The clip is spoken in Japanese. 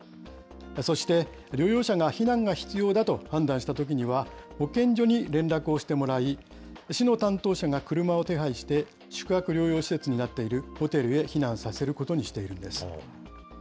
そして療養者が避難が必要だと判断したときには、保健所に連絡をしてもらい、市の担当者が車を手配して、宿泊療養施設になっているホテルへ避難させることにしているんです。